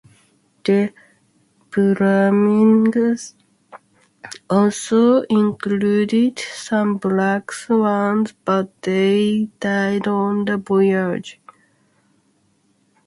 De Vlamingh also included some black swans, but they died on the voyage.